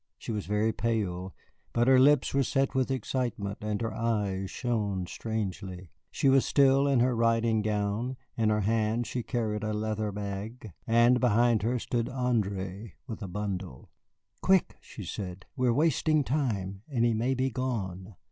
She was very pale, but her lips were set with excitement and her eyes shone strangely. She was still in her riding gown, in her hand she carried a leather bag, and behind her stood André with a bundle. "Quick!" she said; "we are wasting time, and he may be gone."